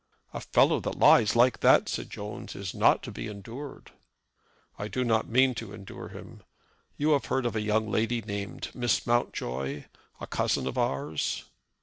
"A fellow that lies like that," said Jones, "is not to be endured." "I do not mean to endure him. You have heard of a young lady named Miss Mountjoy, a cousin of ours?"